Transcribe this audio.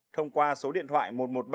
thông qua số điện thoại một trăm một mươi ba